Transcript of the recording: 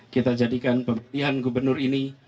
kita jadikan pemilihan gubernur ini